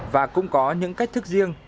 và cũng có những cách thức riêng